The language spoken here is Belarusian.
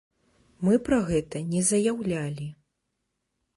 Мы пра гэта не заяўлялі.